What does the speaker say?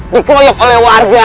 dikoyok oleh warga